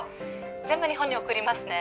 「全部日本に送りますね」